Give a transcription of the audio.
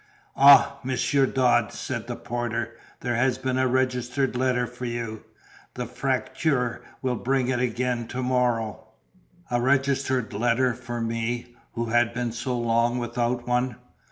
"Ah, Monsieur Dodd," said the porter, "there has been a registered letter for you. The facteur will bring it again to morrow." A registered letter for me, who had been so long without one?